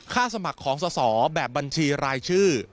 สมัครของสอสอแบบบัญชีรายชื่อ